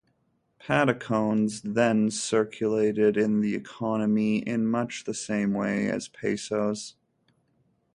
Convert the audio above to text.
"Patacones" then circulated in the economy in much the same way as pesos.